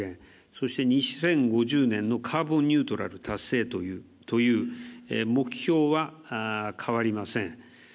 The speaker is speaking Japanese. そして、２０５０年のカーボンニュートラル達成という目標は変わりません。